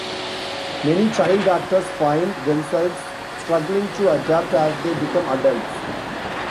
Many child actors find themselves struggling to adapt as they become adults.